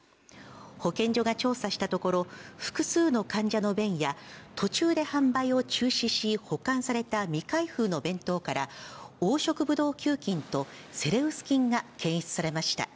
保健所が調査したところ、複数の患者の便や途中で販売を中止し保管された未開封の弁当から、黄色ブドウ球菌とセレウス菌が検出されました。